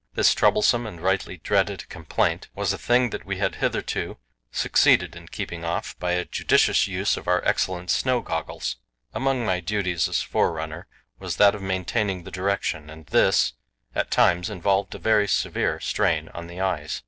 This troublesome and rightly dreaded complaint was a thing that we had hitherto succeeded in keeping off by a judicious use of our excellent snow goggles. Among my duties as forerunner was that of maintaining the direction, and this, at times, involved a very severe strain on the eyes.